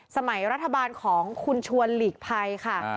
สมัยรัฐบาลของคุณชวนหลีกภัยค่ะ